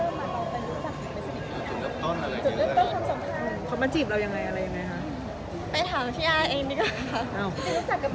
รู้จักกันมาไหนครับ